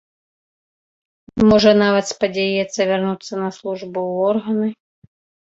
Можа нават, спадзяецца вярнуцца на службу ў органы.